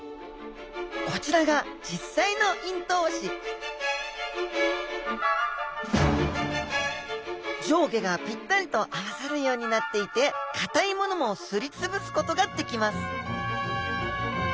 こちらが実際の咽頭歯上下がピッタリと合わさるようになっていてかたいものもすり潰すことができます